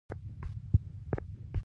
د افغانستان ژبني ارزښتونه تاریخي دي.